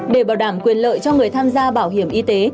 để bảo đảm quyền lợi cho người tham gia bảo hiểm y tế